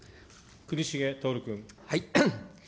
國重徹君。